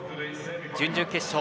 準々決勝。